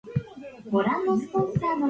今日は寒い